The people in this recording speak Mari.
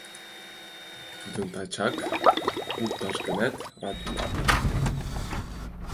Тудым тачак лукташ гынат, рад улам.